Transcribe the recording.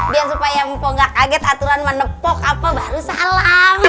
biar supaya mpok gak kaget aturan menepok apa baru salah